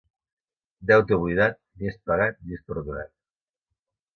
Deute oblidat, ni és pagat ni és perdonat.